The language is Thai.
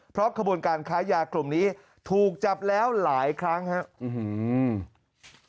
เพราะขบวนการค้ายากลุ่มนี้ถูกจับแล้วหลายครั้งครับ